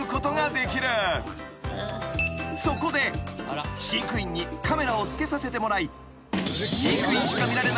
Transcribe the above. ［そこで飼育員にカメラをつけさせてもらい］